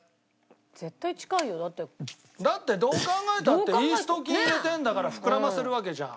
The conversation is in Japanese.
だってどう考えたってイースト菌入れてるんだから膨らませるわけじゃん。